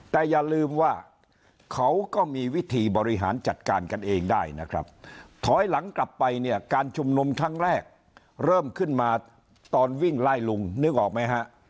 แต่อย่าลืมว่าเขาก็มีวิธีบริหารจัดการกันเองได้นะครับถอยหลังกลับไปเนี่ยการชุมนุมครั้งแรกเริ่มขึ้นมาตอนวิ่งไล่ลุงนึกออกไหมฮะ